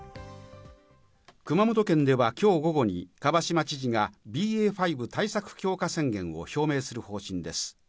熊本県では今日午後に蒲島知事がＢＡ．５対策強化宣言を表明する方針です。